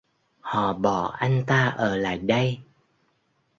Họ bỏ anh ta ở lại đây